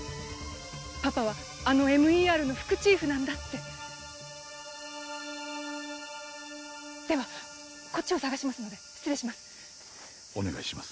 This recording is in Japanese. パパはあのＭＥＲの副チーフなんだってではこっちを捜しますので失礼しますお願いします